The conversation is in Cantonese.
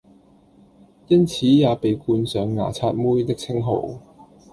因此也被冠上「牙刷妹」的稱號！